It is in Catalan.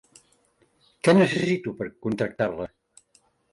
Què necessito per contractar-la?